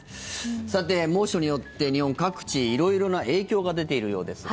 さて、猛暑によって日本各地色々な影響が出ているようですが。